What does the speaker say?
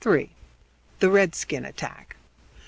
THE REDSKIN ATTACK.